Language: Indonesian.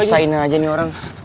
nusainah aja nih orang